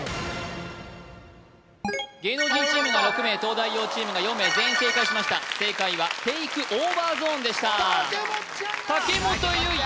芸能人チームは６名東大王チームが４名全員正解しました正解はテイク・オーバー・ゾーンでした武元ちゃんが武元唯衣